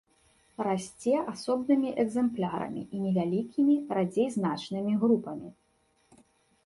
Расце асобнымі экземплярамі і невялікімі, радзей значнымі групамі.